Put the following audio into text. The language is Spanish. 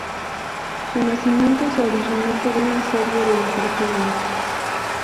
Su nacimiento se originó por una serie de infortunios.